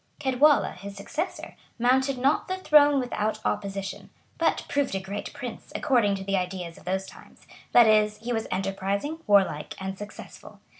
Ceodwalla, his successor, mounted not the throne without opposition; but proved a great prince, according to the ideas of those times; that is, he was enterprising, warlike, and successful.